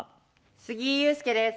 杉井勇介です。